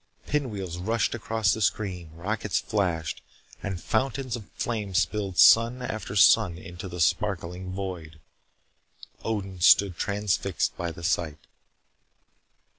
Pinwheels rushed across the screen. Rockets flashed. And fountains of flame spilled sun after sun into the sparkling void. Odin stood transfixed by the sight.